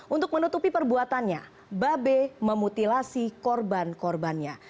untuk menutupi perbuatannya babe memutilasi korban korbannya